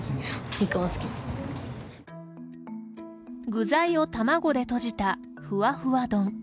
具材を卵でとじた、ふわふわ丼。